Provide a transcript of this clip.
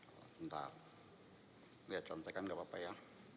bentar lihat contohnya kan enggak apa apa ya